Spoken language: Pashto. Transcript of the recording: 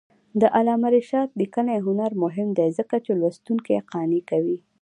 د علامه رشاد لیکنی هنر مهم دی ځکه چې لوستونکي قانع کوي.